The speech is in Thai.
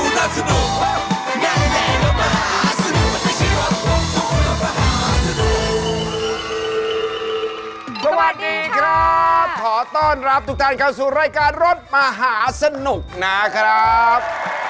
ขอต้อนรับทุกทางเข้าสู่รายการรถม้าหาสนุกนะครับ